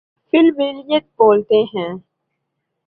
فی البدیہہ بولتے ہیں۔